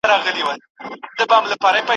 وطن مو خپل پاچا مو خپل طالب مُلا مو خپل وو